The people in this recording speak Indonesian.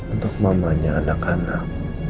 untuk mamanya anak anak